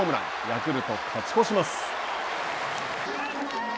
ヤクルト、勝ち越します。